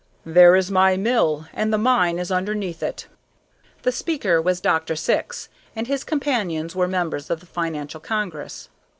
"There is my mill, and the mine is underneath it." The speaker was Dr. Syx, and his companions were members of the financial congress.